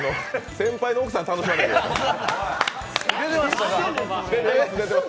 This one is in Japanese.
先輩の奧さん、楽しまないでください。